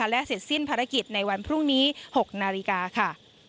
และเสร็จสิ้นภารกิจในวันพรุ่งนี้๖นาฬิกาค่ะ